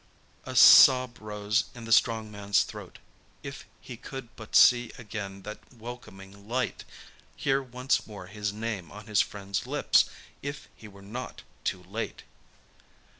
A sob rose in the strong man's throat—if he could but see again that welcoming light!—hear once more his name on his friend's lips! If he were not too late!